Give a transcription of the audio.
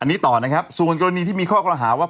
อันนี้ต่อนะครับส่วนกรณีที่มีข้อกระหาว่า